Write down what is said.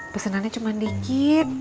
pesenannya cuman dikit